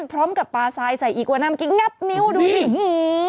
พร้อมกับปลาทรายใส่อีกวะน่ามันกินงับนิ้วดูนี่